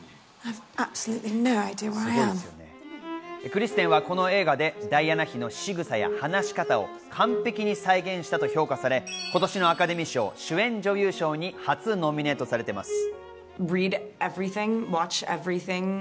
クリステンはこの映画でダイアナ妃のしぐさや話し方を完璧に再現したと評価され、今年のアカデミー賞主演女優賞に初ノミネートされています。